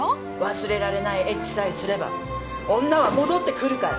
忘れられないエッチさえすれば女は戻ってくるから！